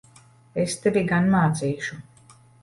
Es tevi gan mācīšu!